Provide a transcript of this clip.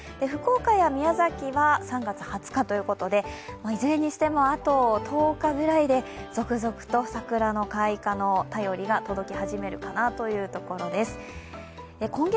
福岡や宮崎は３月２０日ということでいずれにしてもあと１０日ぐらいで続々と桜の開花の便りが届き始めるかなというところです。